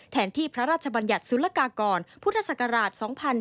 แถนที่พระราชบรรยัตรสุรกากรพุทธศักราช๒๔๙๑